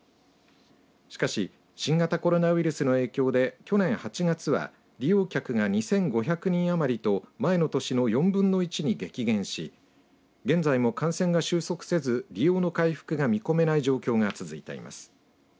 しかし新型コロナウイルスの影響で去年８月は利用客が２５００人余りと前の年の４分の１に激減し現在も感染が収束せず、利用の回復が見込めない状況が続いています。